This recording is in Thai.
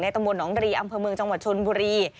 ตำบลหนองรีอำเภอเมืองจังหวัดชนบุรี